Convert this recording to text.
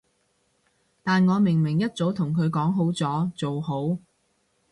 但我明明一早同佢講好咗，做好